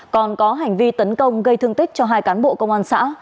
còn có hành vi tấn công gây thương tích cho hai cán bộ công an xã